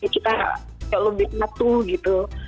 kita lebih matu gitu